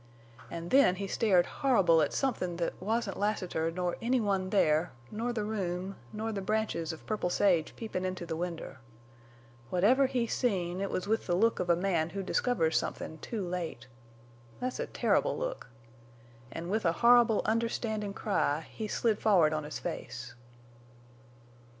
An' then he stared horrible at somethin' thet wasn't Lassiter, nor anyone there, nor the room, nor the branches of purple sage peepin' into the winder. Whatever he seen, it was with the look of a man who discovers somethin' too late. Thet's a terrible look!... An' with a horrible understandin' cry he slid forrard on his face."